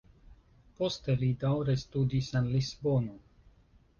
Poste li daŭre studis en Lisbono.